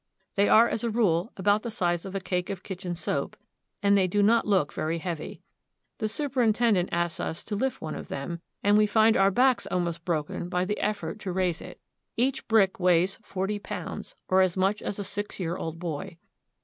They are, as a rule, about the size of a cake of kitchen soap, and they do not look very heavy. The superintendent asks us to lift one of them, and we THE MINT. 55 find our backs almost broken by the effort to raise it. Each brick weighs forty pounds, or as much as a six year old boy.